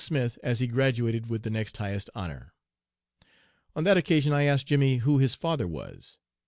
Smith as he graduated with the next highest honor. "On that occasion I asked Jimmy who his father was.